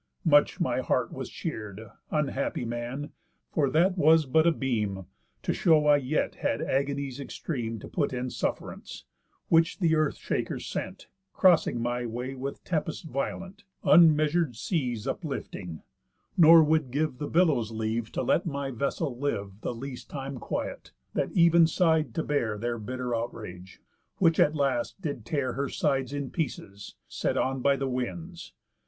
Much my heart was cheer'd, Unhappy man, for that was but a beam, To show I yet had agonies extreme To put in suff'rance, which th' Earth shaker sent, Crossing my way with tempests violent, Unmeasur'd seas up lifting, nor would give The billows leave to let my vessel live The least time quiet, that ev'n sigh'd to bear Their bitter outrage, which, at last, did tear Her sides in pieces, set on by the winds.